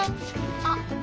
あっ。